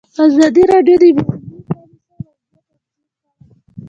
ازادي راډیو د مالي پالیسي وضعیت انځور کړی.